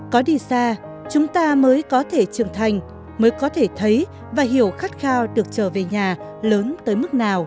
có đi xa chúng ta mới có thể trưởng thành mới có thể thấy và hiểu khát khao được trở về nhà lớn tới mức nào